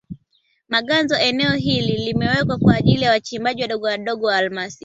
Maganzo eneo hili limewekwa kwa ajili ya wachimbaji wadogowadogo wa almasi